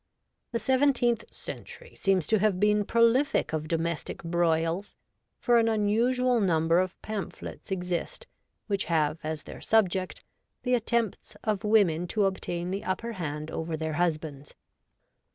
The seventeenth century seems to have been prolific of domestic broils, for an unusual number of pamphlets exist which have as their subject the attempts of women to obtain the upper hand over their husbands.